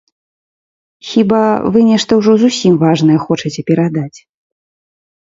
Хіба, вы нешта ўжо зусім важнае хочаце перадаць.